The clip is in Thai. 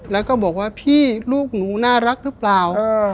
แล้วก็บอกว่าพี่ลูกหนูน่ารักหรือเปล่า